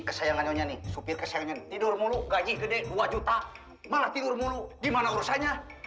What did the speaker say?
kesayangannya nyonya nih supir kesayangan tidur mulu gaji gede dua juta malah tidur mulu gimana urusannya